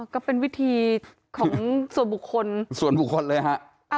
ก็เป็นวิธีของส่วนบุคคลส่วนบุคคลเลยฮะ